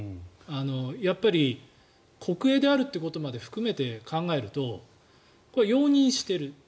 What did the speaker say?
やっぱり、国営であるということまで含めて考えるとこれは容認している。